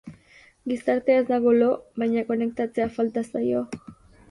Gizartea ez dago lo, baina konektatzea falta zaio.